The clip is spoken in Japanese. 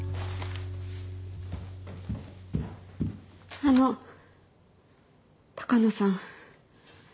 あの鷹野さん。